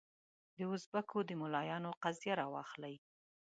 دوزبکو د ملایانو قضیه راواخلې.